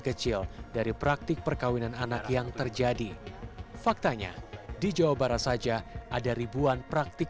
kecil dari praktik perkawinan anak yang terjadi faktanya di jawa barat saja ada ribuan praktik